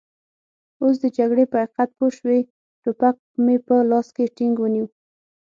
اوس د جګړې په حقیقت پوه شوي، ټوپک مې په لاس کې ټینګ ونیو.